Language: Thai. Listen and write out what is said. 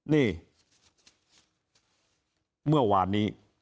นี่เมื่อวานนี้